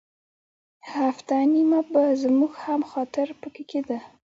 هفته نیمه به زموږ هم خاطر په کې کېده.